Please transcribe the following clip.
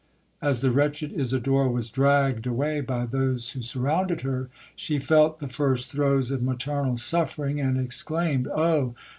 As the wretched Isidora was dragged away by those who surrounded her, she felt the first throes of maternal suffering, and exclaimed, 'Oh!